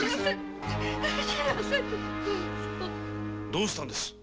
どうしたんです！？